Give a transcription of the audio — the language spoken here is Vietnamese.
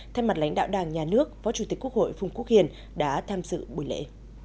thay mặt lãnh đạo đảng nhà nước phó chủ tịch quốc hội phùng quốc hiền đã tham dự buổi lễ